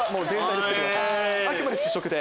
あくまで主食で。